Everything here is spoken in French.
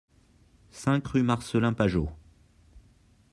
cinq rue Marcellin Pajot